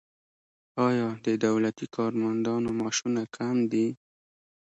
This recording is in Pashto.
آیا د دولتي کارمندانو معاشونه کم دي؟